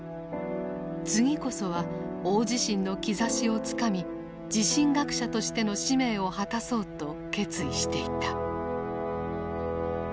次こそは大地震の兆しをつかみ地震学者としての使命を果たそうと決意していた。